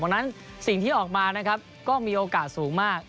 บางนั้นสิ่งที่ออกมาก็มีโอกาสสูงมาก